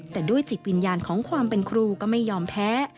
แต่ด้วยจิตวิญญาณของความเป็นครูก็ไม่ยอมแพ้